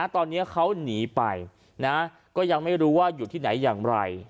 ตอนนี้เขาหนีไปก็ยังไม่รู้ว่าอยู่ที่ไหนอย่างไร